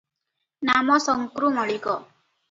ନାମ ଶଙ୍କ୍ରୁ ମଳିକ ।